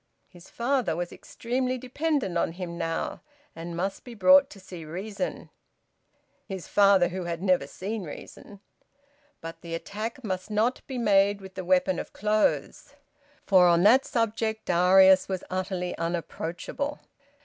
His father was extremely dependent on him now, and must be brought to see reason. (His father who had never seen reason!) But the attack must not be made with the weapon of clothes, for on that subject Darius was utterly unapproachable.